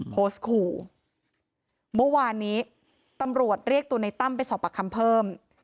โพสต์ขู่เมื่อวานนี้ตำรวจเรียกตัวในตั้มไปสอบปากคำเพิ่ม